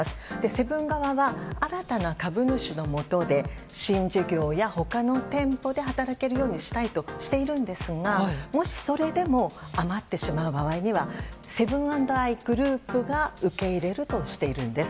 セブン側は新たな株主のもとで新事業や他の店舗で働けるようにしたいとしているんですがもしそれでも余ってしまう場合はセブン＆アイグループが受け入れるとしているんです。